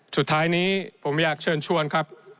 สุดท้ายนี้ผมอยากเชิญชวนครับ